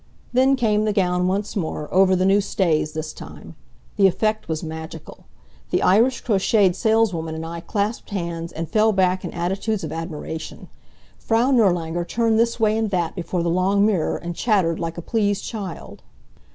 Then came the gown once more, over the new stays this time. The effect was magical. The Irish crocheted saleswoman and I clasped hands and fell back in attitudes of admiration. Frau Nirlanger turned this way and that before the long mirror and chattered like a pleased child.